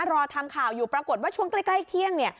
รอทำข่าวอยู่ปรากฏว่าช่วงใกล้เที่ยง